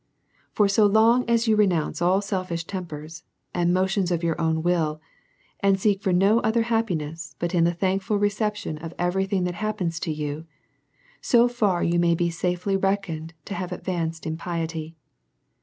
For so far as you renounce all selfish tempers and motions of your ov/n will, and seek for no other happiness^ but ii> the thankful reception of every thing that happens to you, so far you may be safely reckoned to have ad vanced in piety.